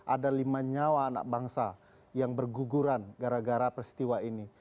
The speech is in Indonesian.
ada lima nyawa anak bangsa yang berguguran gara gara peristiwa ini